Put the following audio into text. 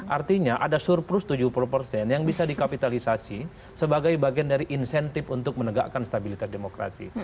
artinya ada surplus tujuh puluh persen yang bisa dikapitalisasi sebagai bagian dari insentif untuk menegakkan stabilitas demokrasi